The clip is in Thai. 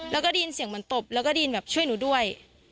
แล้วก็ได้ยินเสียงเหมือนตบแล้วก็ได้ยินแบบช่วยหนูด้วย